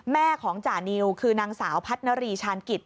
แม่ของจานิวคือนางสาวพัฒนารีชาญกิจ